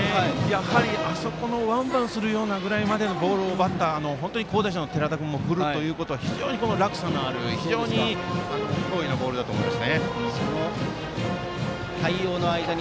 やはり、あそこでワンバンするぐらいのボールを、好打者の寺田君も振るということは非常に落差のある脅威のボールだと思います。